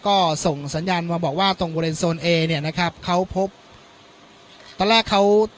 ก็ส่งสัญญาณมาบอกว่าตรงเนี่ยนะครับเขาพบตอนแรกเขา